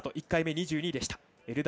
１回目２２位でした。